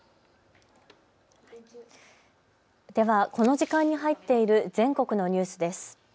ではこの時間に入っている全国のニュースです。